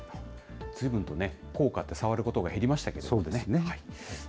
ずいぶんとね、硬貨って触ることが減りましたけどね。